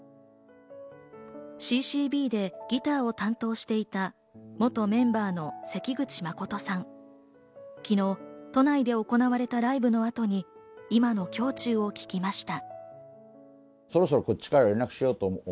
Ｃ−Ｃ−Ｂでギターを担当していた元メンバーの関口誠人さん、昨日、都内で行われたライブのあとに、今の胸中を聞きました。